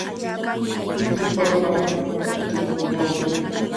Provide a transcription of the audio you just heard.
Huytu papa tukrunawmi.